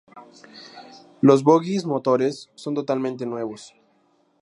Los bogies motores son totalmente nuevos.